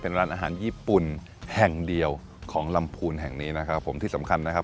เป็นร้านอาหารญี่ปุ่นแห่งเดียวของลำพูนแห่งนี้นะครับผมที่สำคัญนะครับ